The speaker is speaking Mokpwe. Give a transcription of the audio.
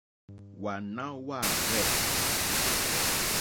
Wàná jáàrzɛ̂.